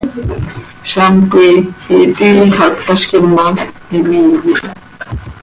Zamt coi itii xah cötazquim ma, him iiye.